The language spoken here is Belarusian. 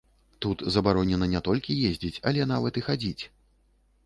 Тут забаронена не толькі ездзіць, але нават і хадзіць!